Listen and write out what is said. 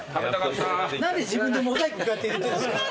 何で自分でモザイクこうやって入れてんですか。